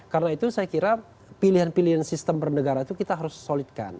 karena itu saya kira pilihan pilihan sistem bernegara itu kita harus solidkan